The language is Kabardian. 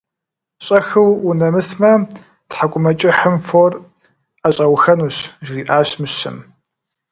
- Щӏэхыу унэмысмэ, тхьэкӏумэкӏыхьым фор ӏэщӏэухэнущ, - жриӏащ мыщэм.